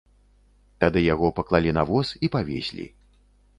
Тады яго паклалі на воз і павезлі.